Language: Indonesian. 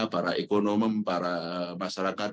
para ekonom para masyarakat